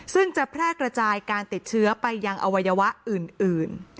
ซึ่งจะแพร่กระจายการติดเชื้อไปยังอวัยวะอื่น